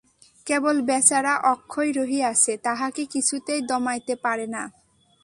কেবল বেচারা অক্ষয় রহিয়াছে, তাহাকে কিছুতেই দমাইতে পারে না।